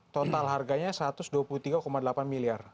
total harganya satu ratus dua puluh tiga delapan miliar